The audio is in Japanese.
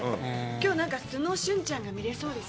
きょうなんか素の俊ちゃんが見れそうです。